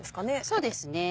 そうですね。